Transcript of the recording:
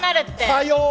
さよう！